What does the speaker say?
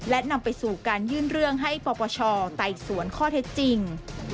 และนำไปสู่การยื่นเรื่องให้ปปชไต่สวนข้อเท็จจริง